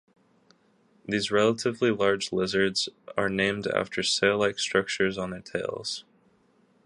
These relatively large lizards are named after the sail-like structure on their tails.